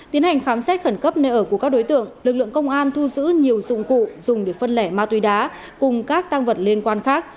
tiến hành khám xét khẩn cấp nơi ở của các đối tượng lực lượng công an thu giữ nhiều dụng cụ dùng để phân lẻ ma túy đá cùng các tăng vật liên quan khác